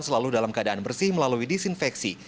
selalu dalam keadaan bersih melalui disinfeksi